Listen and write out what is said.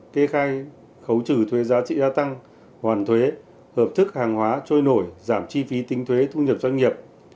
kê khai khấu trừ thuế giá trị gia tăng hoàn thuế hợp thức hàng hóa trôi nổi giảm chi phí tính thuế thu nhập doanh nghiệp